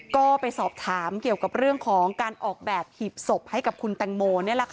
ก็ไปสอบถามเกี่ยวกับเรื่องของการออกแบบหีบศพให้กับคุณแตงโม